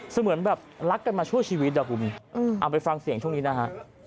เหมือนแบบรักกันมาชั่วชีวิตอ่ะคุณเอาไปฟังเสียงช่วงนี้นะฮะ